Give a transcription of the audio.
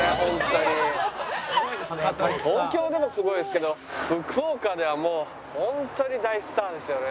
東京でもすごいですけど福岡ではもうホントに大スターですよね。